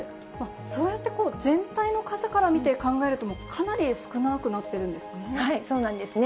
そうやって全体の数から見て考えると、かなり少なくなってるんですね。